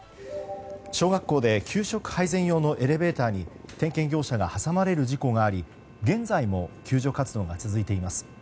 小学校で給食配膳用のエレベーターに点検業者が挟まれる事故があり現在も救助活動が続いています。